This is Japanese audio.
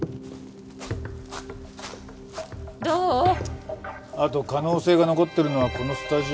あと可能性が残ってるのはこのスタジオだけだ。